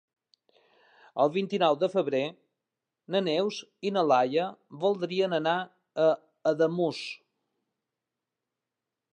El vint-i-nou de febrer na Neus i na Laia voldrien anar a Ademús.